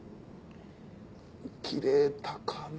切れたかな？